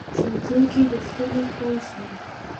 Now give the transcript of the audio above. ښوونځی کې درسونه خوږ وي